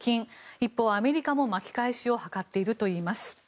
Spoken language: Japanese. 一方、アメリカも巻き返しを図っているといいます。